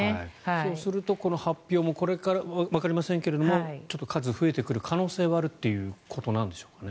そうするとこの発表もこれからわかりませんけどもちょっと数が増えてくる可能性はあるということなのでしょうかね。